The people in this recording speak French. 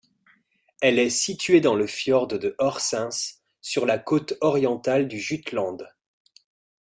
Elle est située dans le fjord de Horsens, sur la côte orientale du Jutland.